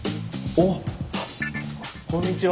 あっこんにちは。